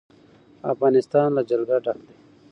افغانستان له جلګه ډک دی.